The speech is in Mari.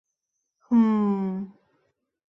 — Хм-м..